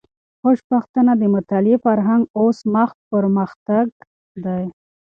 خوشبختانه، د مطالعې فرهنګ اوس مخ پر پرمختګ دی.